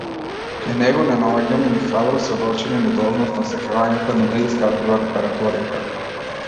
Кај него не наоѓаме ни храбро сведочење, ни должност на сеќавањата, ни неискажлива реторика.